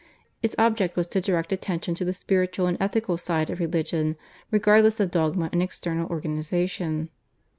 Its object was to direct attention to the spiritual and ethical side of religion regardless of dogma and external organisation.